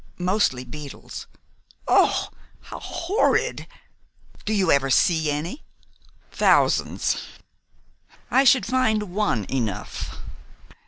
"Mostly beetles." "Oh, how horrid! Do you ever see any?" "Thousands." "I should find one enough.